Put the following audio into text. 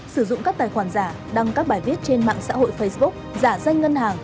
sử dụng các tài khoản giả đăng các bài viết trên mạng xã hội facebook giả danh ngân hàng